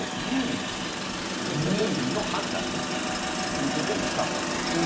要するに、個々人の判断にするということにしたそうです。